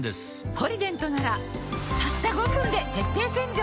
「ポリデント」ならたった５分で徹底洗浄